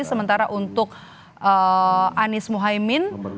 sementara untuk anies mohaimin